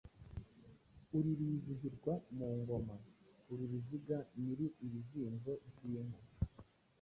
Uri Bizihirwa mu ngoma uri Ruziga nyiri ibizinzo by’inka,